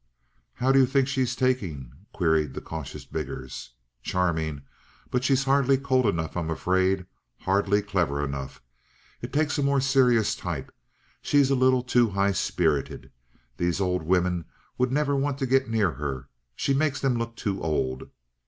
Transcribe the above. "How do you think she's taking?" queried the cautious Biggers. "Charming, but she's hardly cold enough, I'm afraid; hardly clever enough. It takes a more serious type. She's a little too high spirited. These old women would never want to get near her; she makes them look too old.